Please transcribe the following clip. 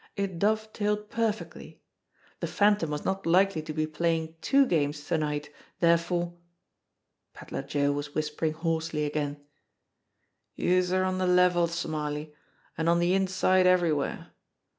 It dovetailed perfectly. The Phantom was not likely to be playing two games to night, therefore Pedler Joe was whispering hoarsely again: "Youse're on de level, Smarly, an' on de inside every where.